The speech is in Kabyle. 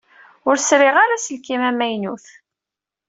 Ur sriɣ ara aselkim amaynu.